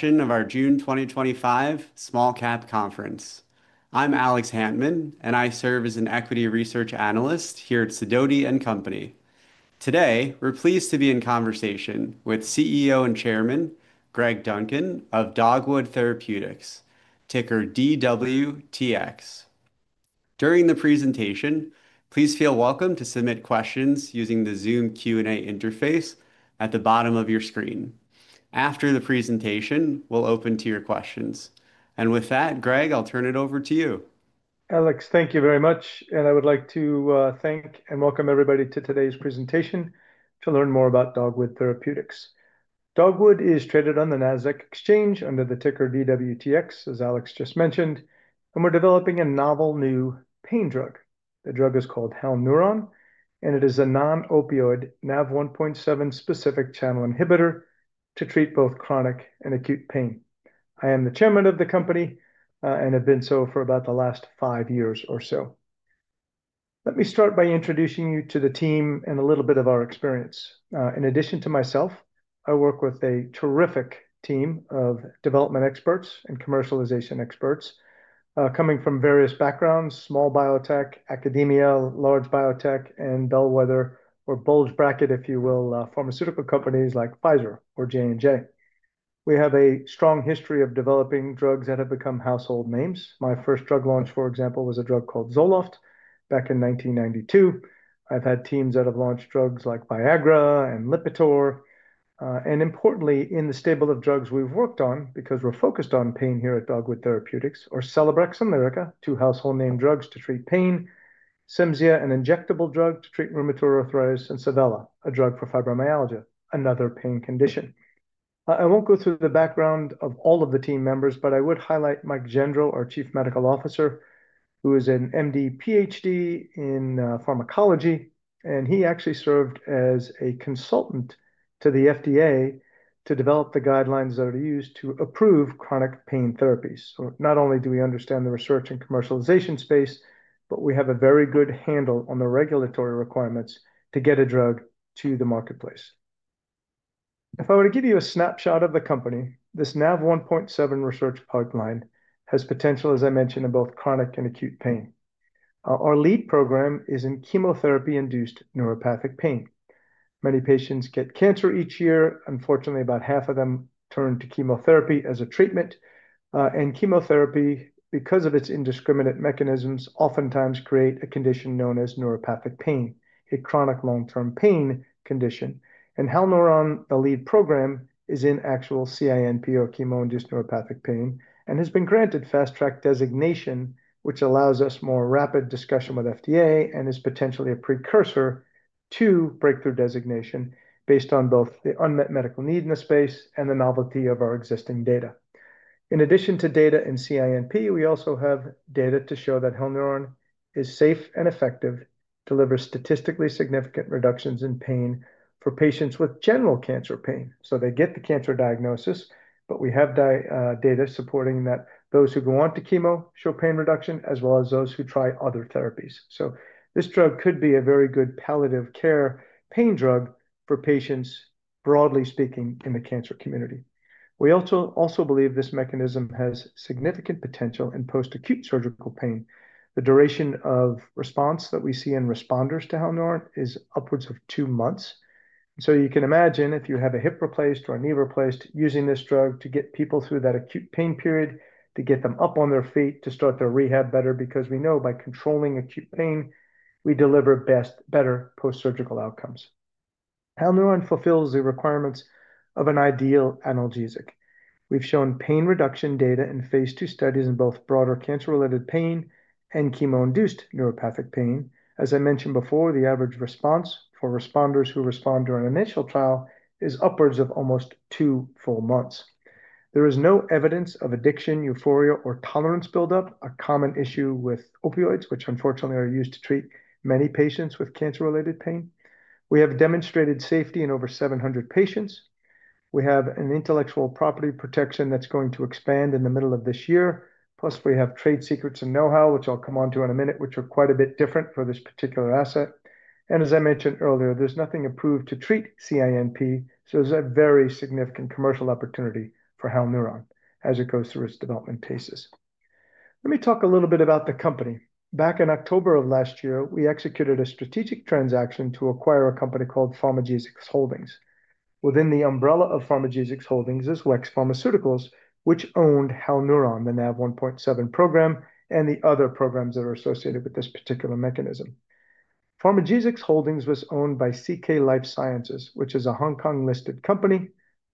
Of our June 2025 Small Cap Conference. I'm Alex Hantman, and I serve as an equity research analyst here at Sidoti & Company. Today, we're pleased to be in conversation with CEO and Chairman Greg Duncan of Dogwood Therapeutics, ticker DWTX. During the presentation, please feel welcome to submit questions using the Zoom Q&A interface at the bottom of your screen. After the presentation, we'll open to your questions. With that, Greg, I'll turn it over to you. Alex, thank you very much. I would like to thank and welcome everybody to today's presentation to learn more about Dogwood Therapeutics. Dogwood is traded on the NASDAQ Exchange under the ticker DWTX, as Alex just mentioned, and we're developing a novel new pain drug. The drug is called Halneuron, and it is a non-opioid Nav 1.7 specific channel inhibitor to treat both chronic and acute pain. I am the Chairman of the company and have been so for about the last five years or so. Let me start by introducing you to the team and a little bit of our experience. In addition to myself, I work with a terrific team of development experts and commercialization experts coming from various backgrounds: small biotech, academia, large biotech, and bellwether or bulge bracket, if you will, pharmaceutical companies like Pfizer or J&J. We have a strong history of developing drugs that have become household names. My first drug launch, for example, was a drug called ZOLOFT back in 1992. I've had teams that have launched drugs like Viagra and LIPITOR. Importantly, in the stable of drugs we've worked on, because we're focused on pain here at Dogwood Therapeutics, are Celebrex and Lyrica, two household name drugs to treat pain, CIMZIA, an injectable drug to treat rheumatoid arthritis, and SAVELLA, a drug for fibromyalgia, another pain condition. I won't go through the background of all of the team members, but I would highlight Mike Gendreau, our Chief Medical Officer, who is an MD/PhD in pharmacology, and he actually served as a consultant to the FDA to develop the guidelines that are used to approve chronic pain therapies. Not only do we understand the research and commercialization space, but we have a very good handle on the regulatory requirements to get a drug to the marketplace. If I were to give you a snapshot of the company, this Nav 1.7 research pipeline has potential, as I mentioned, in both chronic and acute pain. Our lead program is in chemotherapy-induced neuropathic pain. Many patients get cancer each year. Unfortunately, about half of them turn to chemotherapy as a treatment. Chemotherapy, because of its indiscriminate mechanisms, oftentimes creates a condition known as neuropathic pain, a chronic long-term pain condition. Halneuron, the lead program, is in actual CINP, or chemo-induced neuropathic pain, and has been granted fast-track designation, which allows us more rapid discussion with the FDA and is potentially a precursor to breakthrough designation based on both the unmet medical need in the space and the novelty of our existing data. In addition to data in CINP, we also have data to show that Halneuron is safe and effective to deliver statistically significant reductions in pain for patients with general cancer pain. They get the cancer diagnosis, but we have data supporting that those who go on to chemo show pain reduction, as well as those who try other therapies. This drug could be a very good palliative care pain drug for patients, broadly speaking, in the cancer community. We also believe this mechanism has significant potential in post-acute surgical pain. The duration of response that we see in responders to Halneuron is upwards of two months. You can imagine, if you have a hip replaced or a knee replaced, using this drug to get people through that acute pain period, to get them up on their feet, to start their rehab better, because we know by controlling acute pain, we deliver better post-surgical outcomes. Halneuron fulfills the requirements of an ideal analgesic. We've shown pain reduction data in phase II studies in both broader cancer-related pain and chemo-induced neuropathic pain. As I mentioned before, the average response for responders who respond during an initial trial is upwards of almost two full months. There is no evidence of addiction, euphoria, or tolerance buildup, a common issue with opioids, which unfortunately are used to treat many patients with cancer-related pain. We have demonstrated safety in over 700 patients. We have an intellectual property protection that's going to expand in the middle of this year. Plus, we have trade secrets and know-how, which I'll come on to in a minute, which are quite a bit different for this particular asset. As I mentioned earlier, there's nothing approved to treat CINP, so there's a very significant commercial opportunity for Halneuron as it goes through its development phases. Let me talk a little bit about the company. Back in October of last year, we executed a strategic transaction to acquire a company called Pharmagesix (Holdings). Within the umbrella of Pharmagesix (Holdings) is WEX Pharmaceuticals, which owned Halneuron, the Nav 1.7 program, and the other programs that are associated with this particular mechanism. Pharmagesix (Holdings) was owned by CK Life Sciences, which is a Hong Kong-listed company,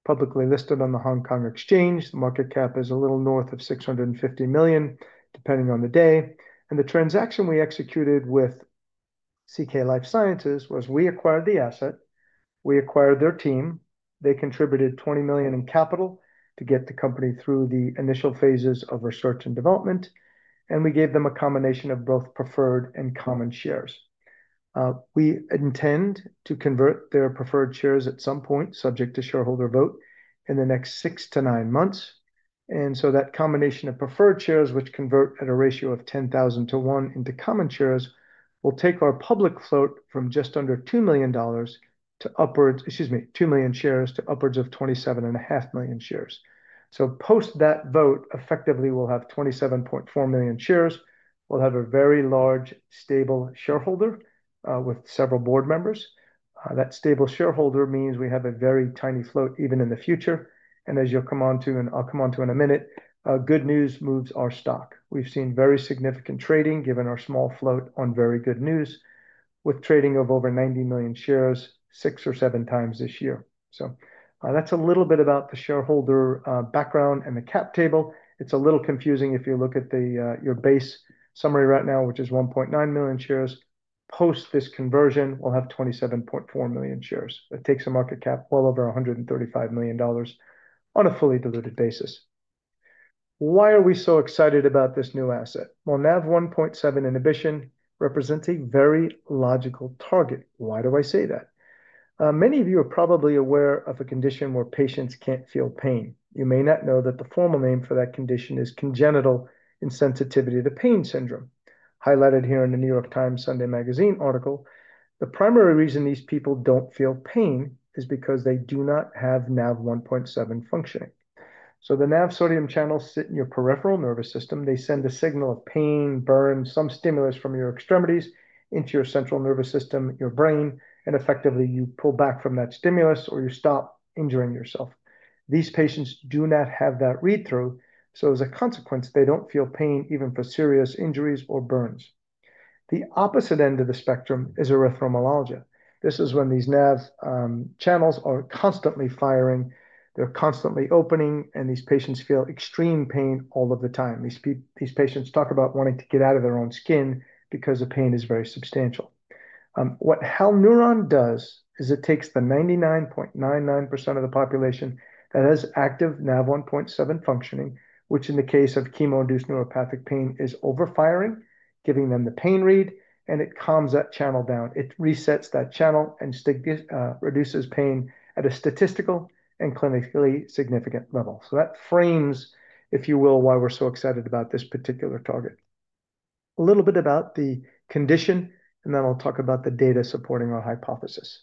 publicly listed on the Hong Kong Exchange. The market cap is a little north of $650 million, depending on the day. The transaction we executed with CK Life Sciences was we acquired the asset, we acquired their team, they contributed $20 million in capital to get the company through the initial phases of research and development, and we gave them a combination of both preferred and common shares. We intend to convert their preferred shares at some point, subject to shareholder vote, in the next six to nine months. That combination of preferred shares, which convert at a ratio of 10,000 to one into common shares, will take our public float from just under 2 million shares to upwards of 27.5 million shares. Post that vote, effectively, we will have 27.4 million shares. We will have a very large, stable shareholder with several board members. That stable shareholder means we have a very tiny float even in the future. As you'll come on to, and I'll come on to in a minute, good news moves our stock. We've seen very significant trading given our small float on very good news, with trading of over 90 million shares, six or seven times this year. That's a little bit about the shareholder background and the cap table. It's a little confusing if you look at your base summary right now, which is 1.9 million shares. Post this conversion, we'll have 27.4 million shares. That takes a market cap well over $135 million on a fully diluted basis. Why are we so excited about this new asset? Nav 1.7 inhibition represents a very logical target. Why do I say that? Many of you are probably aware of a condition where patients can't feel pain. You may not know that the formal name for that condition is congenital insensitivity to pain syndrome, highlighted here in the New York Times Sunday Magazine article. The primary reason these people do not feel pain is because they do not have Nav 1.7 functioning. The Nav sodium channels sit in your peripheral nervous system. They send a signal of pain, burn, some stimulus from your extremities into your central nervous system, your brain, and effectively, you pull back from that stimulus or you stop injuring yourself. These patients do not have that read-through, so as a consequence, they do not feel pain even for serious injuries or burns. The opposite end of the spectrum is erythromelalgia. This is when these Nav channels are constantly firing. They are constantly opening, and these patients feel extreme pain all of the time. These patients talk about wanting to get out of their own skin because the pain is very substantial. What Halneuron does is it takes the 99.99% of the population that has active Nav 1.7 functioning, which in the case of chemo-induced neuropathic pain is overfiring, giving them the pain read, and it calms that channel down. It resets that channel and reduces pain at a statistical and clinically significant level. That frames, if you will, why we're so excited about this particular target. A little bit about the condition, and then I'll talk about the data supporting our hypothesis.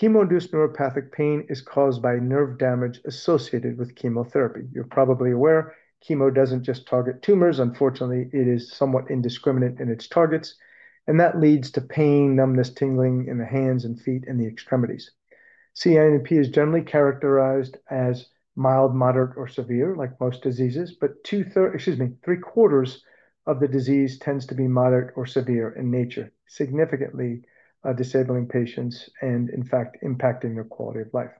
Chemo-induced neuropathic pain is caused by nerve damage associated with chemotherapy. You're probably aware, chemo doesn't just target tumors. Unfortunately, it is somewhat indiscriminate in its targets. That leads to pain, numbness, tingling in the hands and feet and the extremities. CINP is generally characterized as mild, moderate, or severe, like most diseases, but three-quarters of the disease tends to be moderate or severe in nature, significantly disabling patients and, in fact, impacting their quality of life.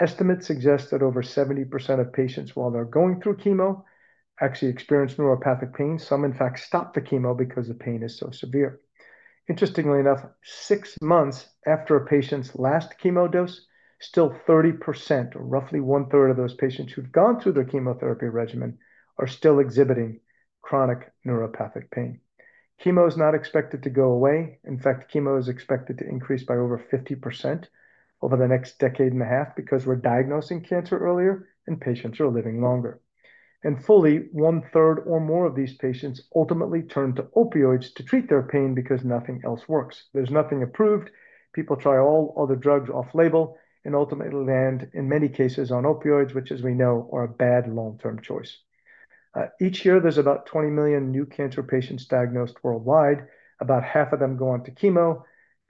Estimates suggest that over 70% of patients, while they're going through chemo, actually experience neuropathic pain. Some, in fact, stop the chemo because the pain is so severe. Interestingly enough, six months after a patient's last chemo dose, still 30%, or roughly one-third of those patients who've gone through their chemotherapy regimen, are still exhibiting chronic neuropathic pain. Chemo is not expected to go away. In fact, chemo is expected to increase by over 50% over the next decade and a half because we're diagnosing cancer earlier and patients are living longer. Fully, one-third or more of these patients ultimately turn to opioids to treat their pain because nothing else works. There is nothing approved. People try all other drugs off-label and ultimately land, in many cases, on opioids, which, as we know, are a bad long-term choice. Each year, there are about 20 million new cancer patients diagnosed worldwide. About half of them go on to chemo.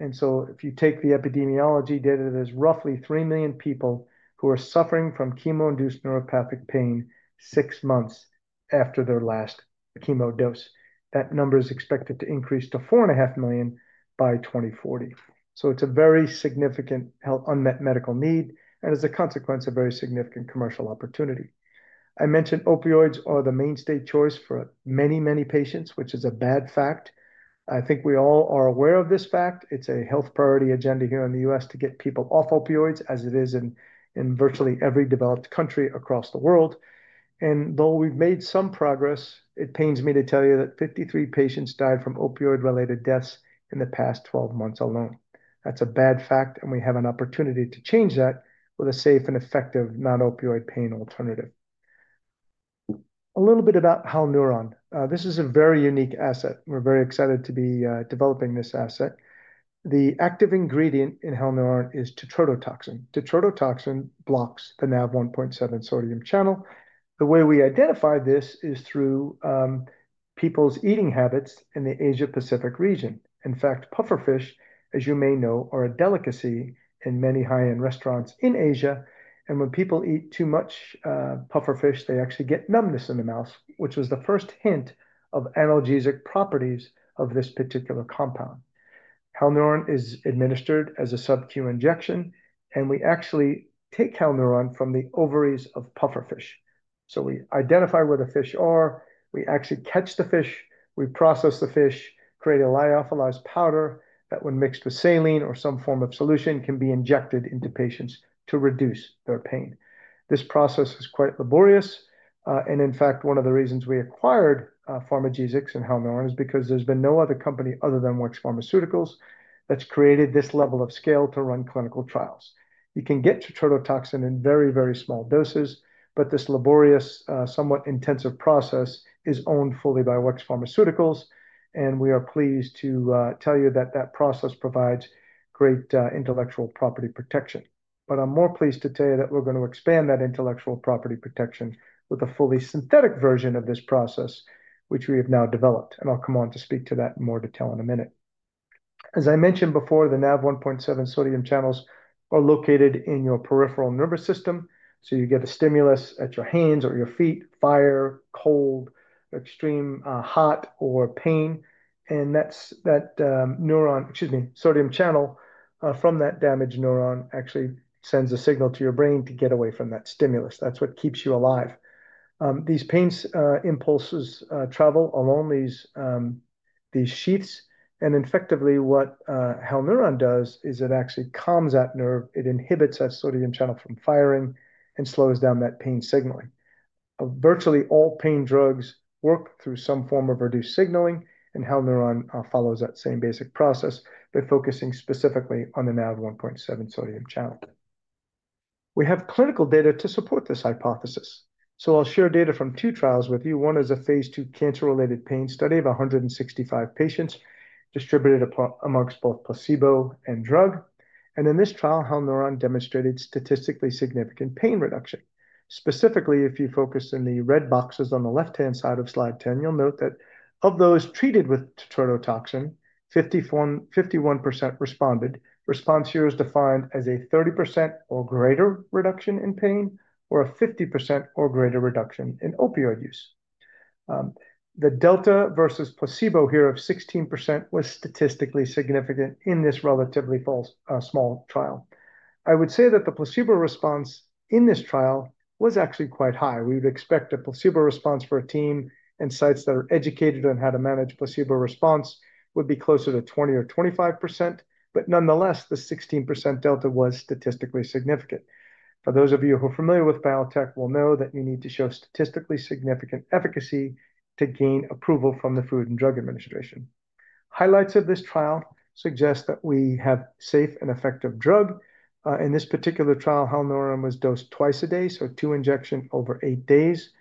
If you take the epidemiology data, there are roughly 3 million people who are suffering from chemo-induced neuropathic pain six months after their last chemo dose. That number is expected to increase to 4.5 million by 2040. It is a very significant unmet medical need and, as a consequence, a very significant commercial opportunity. I mentioned opioids are the mainstay choice for many, many patients, which is a bad fact. I think we all are aware of this fact. It's a health priority agenda here in the U.S. to get people off opioids, as it is in virtually every developed country across the world. Though we've made some progress, it pains me to tell you that 53 patients died from opioid-related deaths in the past 12 months alone. That's a bad fact, and we have an opportunity to change that with a safe and effective non-opioid pain alternative. A little bit about Halneuron. This is a very unique asset. We're very excited to be developing this asset. The active ingredient in Halneuron is tetrodotoxin. Tetrodotoxin blocks the Nav 1.7 sodium channel. The way we identify this is through people's eating habits in the Asia-Pacific region. In fact, pufferfish, as you may know, are a delicacy in many high-end restaurants in Asia. When people eat too much pufferfish, they actually get numbness in the mouth, which was the first hint of analgesic properties of this particular compound. Halneuron is administered as a sub-Q injection, and we actually take Halneuron from the ovaries of pufferfish. We identify where the fish are. We actually catch the fish. We process the fish, create a lyophilized powder that, when mixed with saline or some form of solution, can be injected into patients to reduce their pain. This process is quite laborious. In fact, one of the reasons we acquired Pharmagesix and Halneuron is because there has been no other company other than WEX Pharmaceuticals that has created this level of scale to run clinical trials. You can get tetrodotoxin in very, very small doses, but this laborious, somewhat intensive process is owned fully by WEX Pharmaceuticals. We are pleased to tell you that that process provides great intellectual property protection. I am more pleased to tell you that we are going to expand that intellectual property protection with a fully synthetic version of this process, which we have now developed. I will come on to speak to that in more detail in a minute. As I mentioned before, the Nav1.7 sodium channels are located in your peripheral nervous system. You get a stimulus at your hands or your feet, fire, cold, extreme hot, or pain. That neuron, excuse me, sodium channel from that damaged neuron actually sends a signal to your brain to get away from that stimulus. That is what keeps you alive. These pain impulses travel along these sheaths. Effectively, what Halneuron does is it actually calms that nerve. It inhibits that sodium channel from firing and slows down that pain signaling. Virtually all pain drugs work through some form of reduced signaling, and Halneuron follows that same basic process by focusing specifically on the Nav 1.7 sodium channel. We have clinical data to support this hypothesis. I'll share data from two trials with you. One is a phase II cancer-related pain study of 165 patients distributed amongst both placebo and drug. In this trial, Halneuron demonstrated statistically significant pain reduction. Specifically, if you focus on the red boxes on the left-hand side of slide 10, you'll note that of those treated with tetrodotoxin, 51% responded. Response here is defined as a 30% or greater reduction in pain or a 50% or greater reduction in opioid use. The delta versus placebo here of 16% was statistically significant in this relatively small trial. I would say that the placebo response in this trial was actually quite high. We would expect a placebo response for a team and sites that are educated on how to manage placebo response would be closer to 20% or 25%. Nonetheless, the 16% delta was statistically significant. For those of you who are familiar with biotech, will know that you need to show statistically significant efficacy to gain approval from the Food and Drug Administration. Highlights of this trial suggest that we have a safe and effective drug. In this particular trial, Halneuron was dosed twice a day, so two injections over eight days.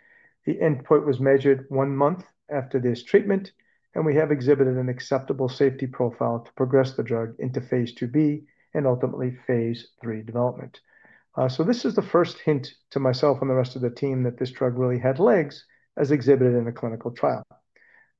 The endpoint was measured one month after this treatment, and we have exhibited an acceptable safety profile to progress the drug into phase II-B and ultimately phase III development. This is the first hint to myself and the rest of the team that this drug really had legs as exhibited in a clinical trial.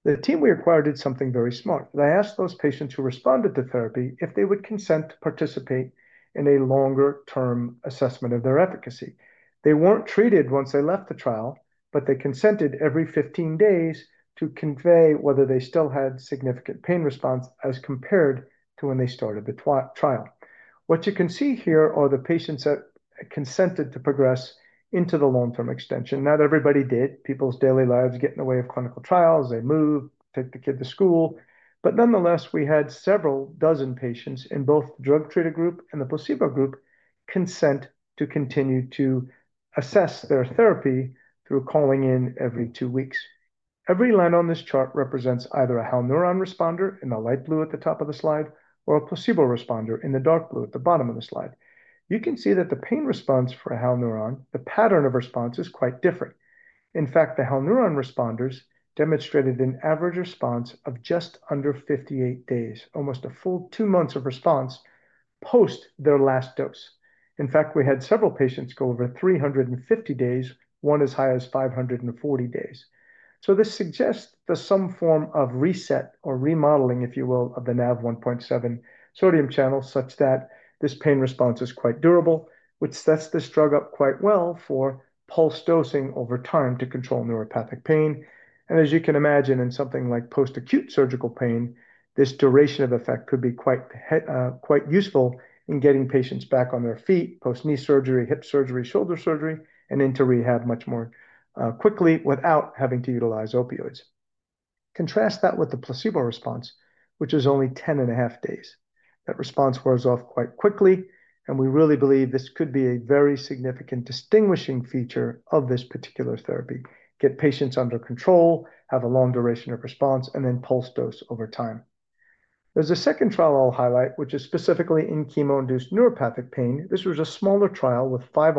The team we acquired did something very smart. They asked those patients who responded to therapy if they would consent to participate in a longer-term assessment of their efficacy. They were not treated once they left the trial, but they consented every 15 days to convey whether they still had significant pain response as compared to when they started the trial. What you can see here are the patients that consented to progress into the long-term extension. Not everybody did. People's daily lives get in the way of clinical trials. They move, take the kid to school. Nonetheless, we had several dozen patients in both the drug-treated group and the placebo group consent to continue to assess their therapy through calling in every two weeks. Every line on this chart represents either a Halneuron responder in the light blue at the top of the slide or a placebo responder in the dark blue at the bottom of the slide. You can see that the pain response for a Halneuron, the pattern of response is quite different. In fact, the Halneuron responders demonstrated an average response of just under 58 days, almost a full two months of response post their last dose. In fact, we had several patients go over 350 days, one as high as 540 days. This suggests some form of reset or remodeling, if you will, of the Nav 1.7 sodium channel such that this pain response is quite durable, which sets this drug up quite well for pulse dosing over time to control neuropathic pain. As you can imagine, in something like post-acute surgical pain, this duration of effect could be quite useful in getting patients back on their feet post knee surgery, hip surgery, shoulder surgery, and into rehab much more quickly without having to utilize opioids. Contrast that with the placebo response, which is only 10 and a half days. That response wears off quite quickly, and we really believe this could be a very significant distinguishing feature of this particular therapy. Get patients under control, have a long duration of response, and then pulse dose over time. There is a second trial I'll highlight, which is specifically in chemo-induced neuropathic pain. This was a smaller trial with five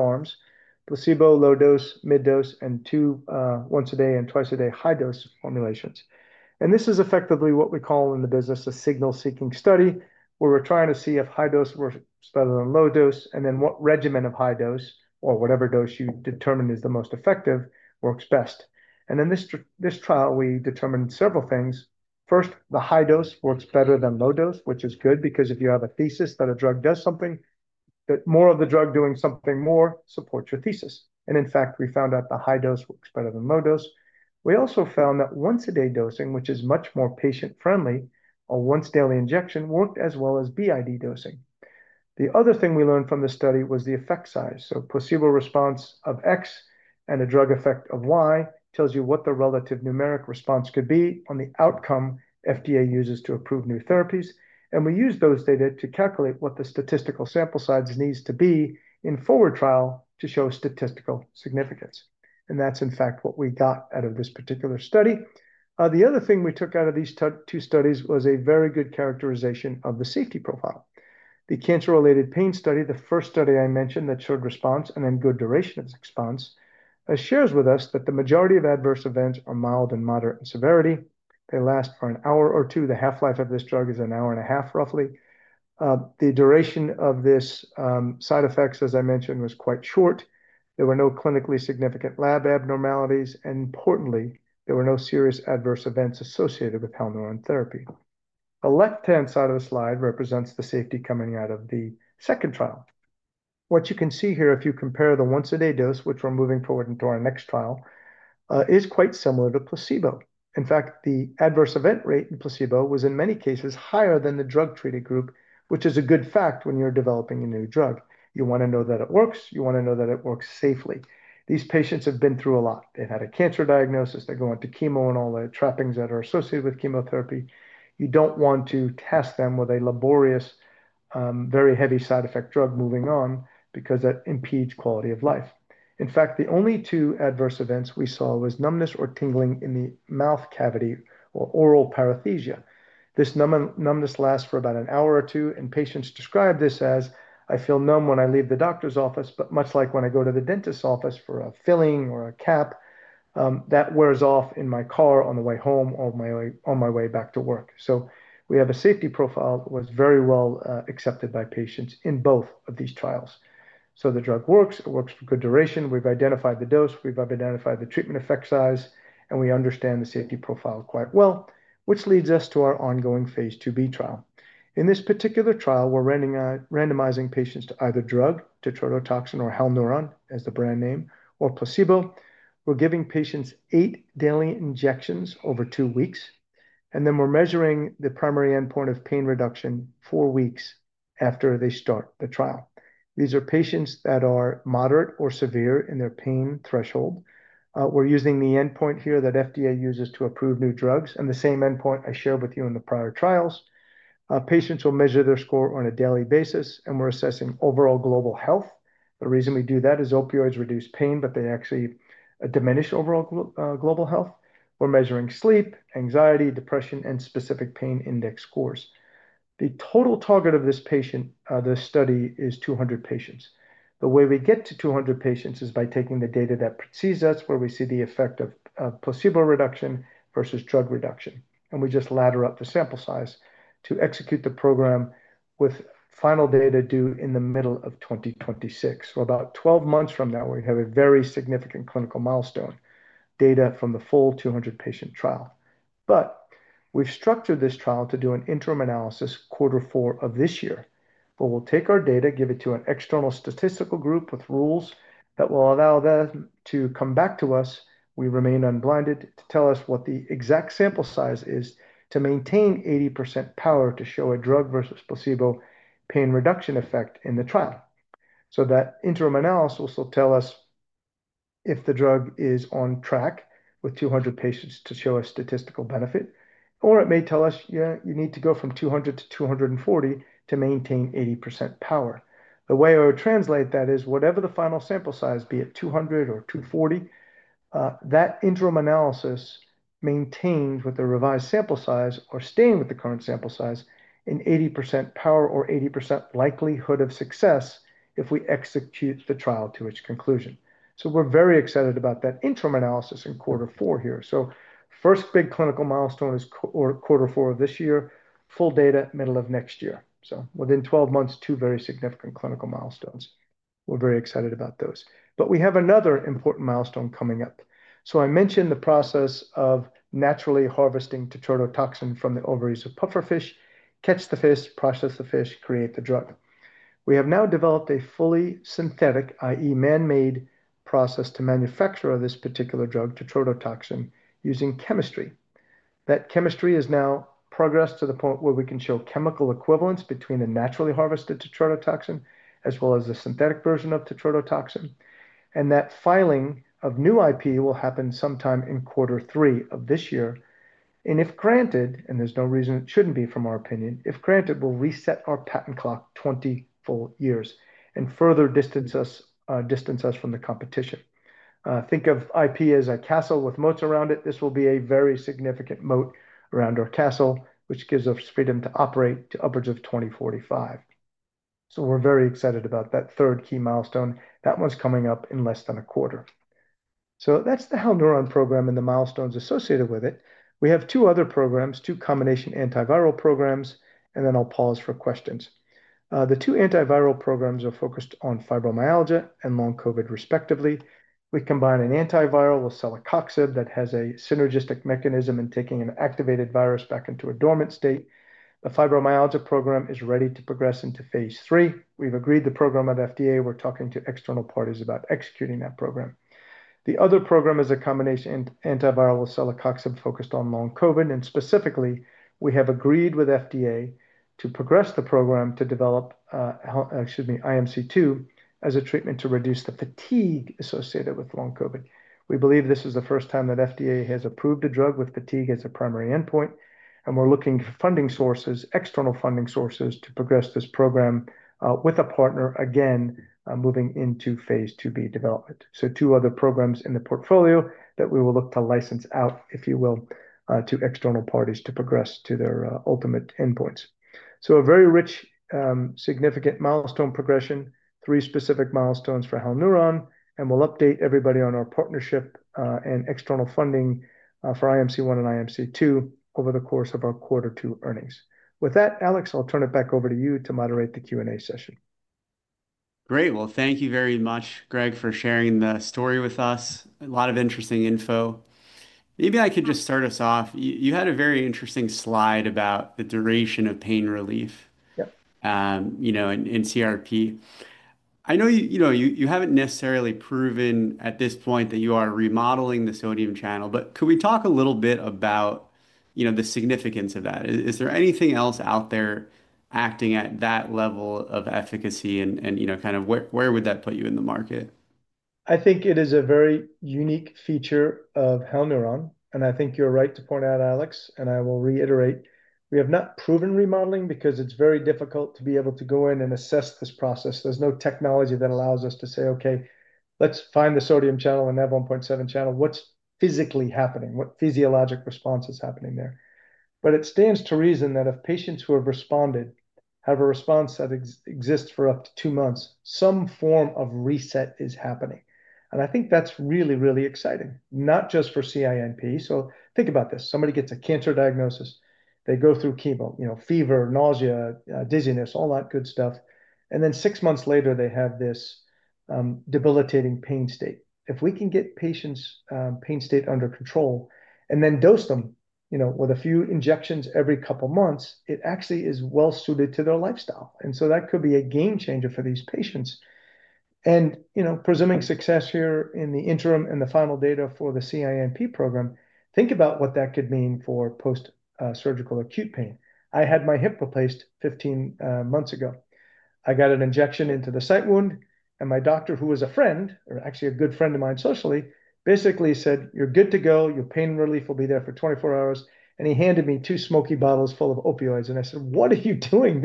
arms: placebo, low dose, mid dose, and two once-a-day and twice-a-day high-dose formulations. This is effectively what we call in the business a signal-seeking study, where we're trying to see if high dose works better than low dose and then what regimen of high dose or whatever dose you determine is the most effective works best. In this trial, we determined several things. First, the high dose works better than low dose, which is good because if you have a thesis that a drug does something, that more of the drug doing something more supports your thesis. In fact, we found out the high dose works better than low dose. We also found that once-a-day dosing, which is much more patient-friendly, or once-daily injection worked as well as b.i.d. dosing. The other thing we learned from the study was the effect size. Placebo response of X and a drug effect of Y tells you what the relative numeric response could be on the outcome FDA uses to approve new therapies. We used those data to calculate what the statistical sample size needs to be in forward trial to show statistical significance. That is, in fact, what we got out of this particular study. The other thing we took out of these two studies was a very good characterization of the safety profile. The cancer-related pain study, the first study I mentioned that showed response and then good duration of response, shares with us that the majority of adverse events are mild and moderate in severity. They last for an hour or two. The half-life of this drug is an hour and a half, roughly. The duration of this side effect, as I mentioned, was quite short. There were no clinically significant lab abnormalities. Importantly, there were no serious adverse events associated with Halneuron therapy. The left-hand side of the slide represents the safety coming out of the second trial. What you can see here, if you compare the once-a-day dose, which we're moving forward into our next trial, is quite similar to placebo. In fact, the adverse event rate in placebo was, in many cases, higher than the drug-treated group, which is a good fact when you're developing a new drug. You want to know that it works. You want to know that it works safely. These patients have been through a lot. They've had a cancer diagnosis. They're going to chemo and all the trappings that are associated with chemotherapy. You don't want to test them with a laborious, very heavy side effect drug moving on because that impedes quality of life. In fact, the only two adverse events we saw were numbness or tingling in the mouth cavity or oral paresthesia. This numbness lasts for about an hour or two. Patients describe this as, "I feel numb when I leave the doctor's office, but much like when I go to the dentist's office for a filling or a cap, that wears off in my car on the way home or on my way back to work." We have a safety profile that was very well accepted by patients in both of these trials. The drug works. It works for good duration. We've identified the dose. We've identified the treatment effect size. We understand the safety profile quite well, which leads us to our ongoing phase II-B trial. In this particular trial, we're randomizing patients to either drug, tetrodotoxin or Halneuron as the brand name, or placebo. We're giving patients eight daily injections over two weeks. We're measuring the primary endpoint of pain reduction four weeks after they start the trial. These are patients that are moderate or severe in their pain threshold. We're using the endpoint here that FDA uses to approve new drugs and the same endpoint I shared with you in the prior trials. Patients will measure their score on a daily basis, and we're assessing overall global health. The reason we do that is opioids reduce pain, but they actually diminish overall global health. We're measuring sleep, anxiety, depression, and specific pain index scores. The total target of this study is 200 patients. The way we get to 200 patients is by taking the data that precedes us, where we see the effect of placebo reduction versus drug reduction. We just ladder up the sample size to execute the program with final data due in the middle of 2026. About 12 months from now, we have a very significant clinical milestone data from the full 200-patient trial. We have structured this trial to do an interim analysis quarter four of this year. We will take our data, give it to an external statistical group with rules that will allow them to come back to us. We remain unblinded to tell us what the exact sample size is to maintain 80% power to show a drug versus placebo pain reduction effect in the trial. So that interim analysis will still tell us if the drug is on track with 200 patients to show a statistical benefit, or it may tell us, "Yeah, you need to go from 200 to 240 to maintain 80% power." The way I would translate that is whatever the final sample size, be it 200 or 240, that interim analysis maintains with the revised sample size or staying with the current sample size in 80% power or 80% likelihood of success if we execute the trial to its conclusion. We're very excited about that interim analysis in quarter four here. First big clinical milestone is quarter four of this year, full data middle of next year. Within 12 months, two very significant clinical milestones. We're very excited about those. We have another important milestone coming up. I mentioned the process of naturally harvesting tetrodotoxin from the ovaries of pufferfish, catch the fish, process the fish, create the drug. We have now developed a fully synthetic, i.e., man-made process to manufacture this particular drug, tetrodotoxin, using chemistry. That chemistry has now progressed to the point where we can show chemical equivalence between a naturally harvested tetrodotoxin as well as a synthetic version of tetrodotoxin. That filing of new IP will happen sometime in quarter three of this year. If granted, and there's no reason it shouldn't be from our opinion, if granted, we'll reset our patent clock 20 full years and further distance us from the competition. Think of IP as a castle with moats around it. This will be a very significant moat around our castle, which gives us freedom to operate to upwards of 2045. We're very excited about that third key milestone. That one's coming up in less than a quarter. That's the Halneuron program and the milestones associated with it. We have two other programs, two combination antiviral programs, and then I'll pause for questions. The two antiviral programs are focused on fibromyalgia and long COVID, respectively. We combine an antiviral with celecoxib that has a synergistic mechanism in taking an activated virus back into a dormant state. The fibromyalgia program is ready to progress into phase III. We've agreed the program with FDA. We're talking to external parties about executing that program. The other program is a combination antiviral with celecoxib focused on long COVID. Specifically, we have agreed with FDA to progress the program to develop, excuse me, IMC-2 as a treatment to reduce the fatigue associated with long COVID. We believe this is the first time that FDA has approved a drug with fatigue as a primary endpoint. We are looking for external funding sources to progress this program with a partner, again, moving into phase II-B development. Two other programs in the portfolio that we will look to license out, if you will, to external parties to progress to their ultimate endpoints. A very rich, significant milestone progression, three specific milestones for Halneuron. We will update everybody on our partnership and external funding for IMC-1 and IMC-2 over the course of our quarter two earnings. With that, Alex, I will turn it back over to you to moderate the Q&A session. Great. Thank you very much, Greg, for sharing the story with us. A lot of interesting info. Maybe I could just start us off. You had a very interesting slide about the duration of pain relief in CRP. I know you haven't necessarily proven at this point that you are remodeling the sodium channel, but could we talk a little bit about the significance of that? Is there anything else out there acting at that level of efficacy and kind of where would that put you in the market? I think it is a very unique feature of Halneuron. I think you're right to point out, Alex, and I will reiterate, we have not proven remodeling because it's very difficult to be able to go in and assess this process. There's no technology that allows us to say, "Okay, let's find the sodium channel and Nav 1.7 channel. What's physically happening? What physiologic response is happening there?" It stands to reason that if patients who have responded have a response that exists for up to two months, some form of reset is happening. I think that's really, really exciting, not just for CINP. Think about this. Somebody gets a cancer diagnosis. They go through chemo, fever, nausea, dizziness, all that good stuff. Then six months later, they have this debilitating pain state. If we can get patients' pain state under control and then dose them with a few injections every couple of months, it actually is well-suited to their lifestyle. That could be a game changer for these patients. Presuming success here in the interim and the final data for the CINP program, think about what that could mean for post-surgical acute pain. I had my hip replaced 15 months ago. I got an injection into the site wound, and my doctor, who was a friend or actually a good friend of mine socially, basically said, "You're good to go. Your pain relief will be there for 24 hours." He handed me two smoky bottles full of opioids. I said, "What are you doing?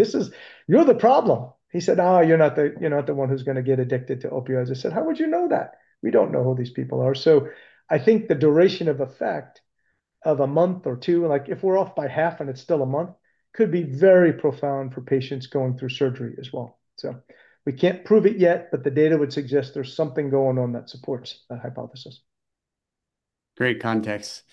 You're the problem." He said, "Oh, you're not the one who's going to get addicted to opioids." I said, "How would you know that? We don't know who these people are." I think the duration of effect of a month or two, like if we're off by half and it's still a month, could be very profound for patients going through surgery as well. We can't prove it yet, but the data would suggest there's something going on that supports that hypothesis. Great context.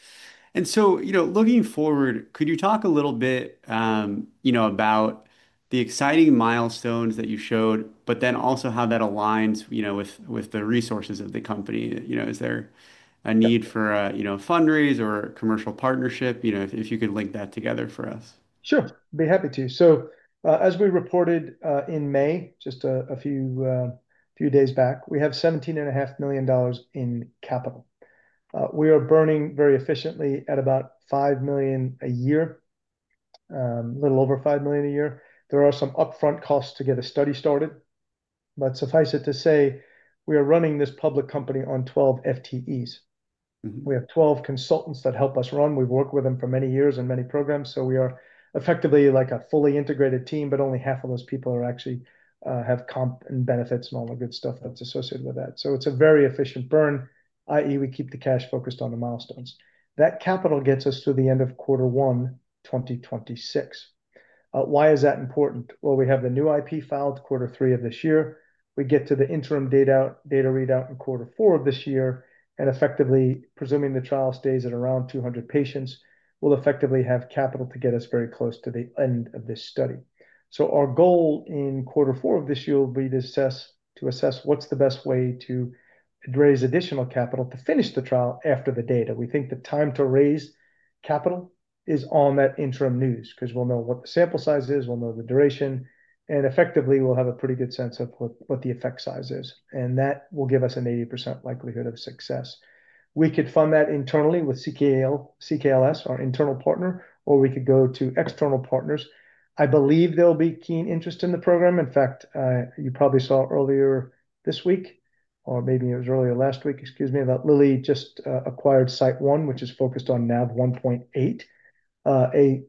Looking forward, could you talk a little bit about the exciting milestones that you showed, but then also how that aligns with the resources of the company? Is there a need for a fundraise or a commercial partnership? If you could link that together for us. Sure. I'd be happy to. As we reported in May, just a few days back, we have $17.5 million in capital. We are burning very efficiently at about $5 million a year, a little over $5 million a year. There are some upfront costs to get a study started. Suffice it to say, we are running this public company on 12 FTEs. We have 12 consultants that help us run. We've worked with them for many years and many programs. We are effectively like a fully integrated team, but only half of those people actually have comp and benefits and all the good stuff that's associated with that. It is a very efficient burn, i.e., we keep the cash focused on the milestones. That capital gets us to the end of quarter one, 2026. Why is that important? We have the new IP filed quarter three of this year. We get to the interim data readout in quarter four of this year. Effectively, presuming the trial stays at around 200 patients, we will effectively have capital to get us very close to the end of this study. Our goal in quarter four of this year will be to assess what's the best way to raise additional capital to finish the trial after the data. We think the time to raise capital is on that interim news because we'll know what the sample size is. We'll know the duration. And effectively, we'll have a pretty good sense of what the effect size is. That will give us an 80% likelihood of success. We could fund that internally with CKLS, our internal partner, or we could go to external partners. I believe there'll be keen interest in the program. In fact, you probably saw earlier this week, or maybe it was earlier last week, excuse me, that Lilly just acquired SiteOne, which is focused on Nav 1.8, a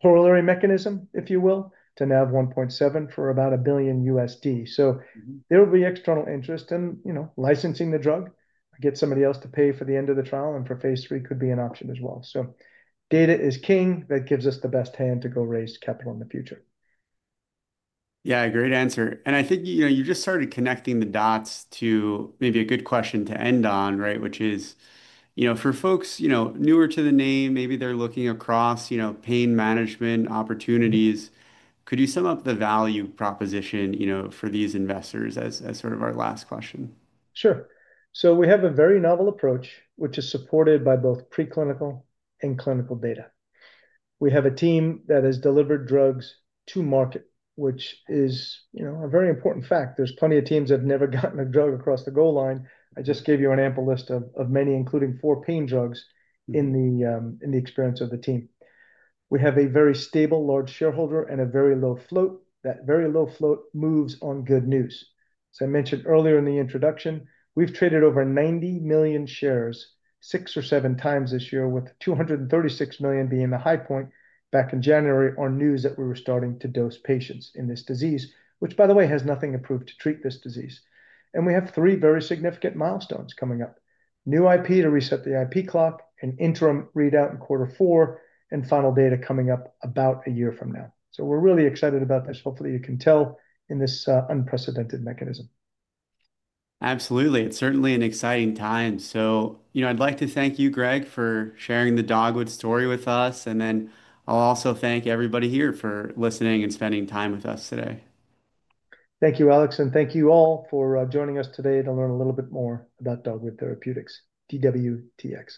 corollary mechanism, if you will, to Nav 1.7 for about $1 billion. There will be external interest in licensing the drug. Get somebody else to pay for the end of the trial. For phase III, could be an option as well. Data is king. That gives us the best hand to go raise capital in the future. Yeah, great answer. I think you just started connecting the dots to maybe a good question to end on, right, which is for folks newer to the name, maybe they're looking across pain management opportunities. Could you sum up the value proposition for these investors as sort of our last question? Sure. We have a very novel approach, which is supported by both preclinical and clinical data. We have a team that has delivered drugs to market, which is a very important fact. There are plenty of teams that have never gotten a drug across the goal line. I just gave you an ample list of many, including four pain drugs in the experience of the team. We have a very stable large shareholder and a very low float. That very low float moves on good news. As I mentioned earlier in the introduction, we've traded over 90 million shares six or seven times this year, with 236 million being the high point back in January on news that we were starting to dose patients in this disease, which, by the way, has nothing approved to treat this disease. We have three very significant milestones coming up: new IP to reset the IP clock, an interim readout in quarter four, and final data coming up about a year from now. We are really excited about this. Hopefully, you can tell in this unprecedented mechanism. Absolutely. It is certainly an exciting time. I would like to thank you, Greg, for sharing the Dogwood story with us. I will also thank everybody here for listening and spending time with us today. Thank you, Alex. Thank you all for joining us today to learn a little bit more about Dogwood Therapeutics, DWTX.